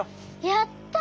やった！